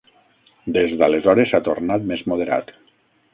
Des d'aleshores s'ha tornat més moderat.